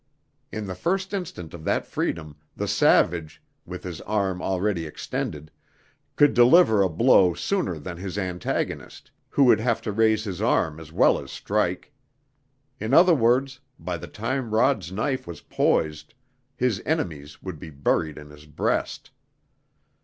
In the first instant of that freedom, the savage, with his arm already extended, could deliver a blow sooner than his antagonist, who would have to raise his arm as well as strike. In other words, by the time Rod's knife was poised his enemy's would be buried in his breast.